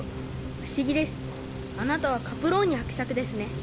不思議ですあなたはカプローニ伯爵ですね。